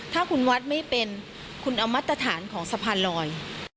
ถ้าคุณวัดไม่เป็นคุณเอามาตรฐานของสะพานลอย